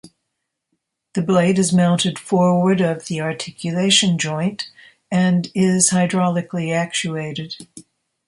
The blade is mounted forward of the articulation joint, and is hydraulically actuated.